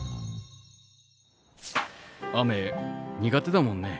雨苦手だもんね？